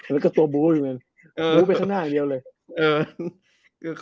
เป็นตัวบู้อยู่กันรู้ไปข้างหน้าอย่างเดียวเลย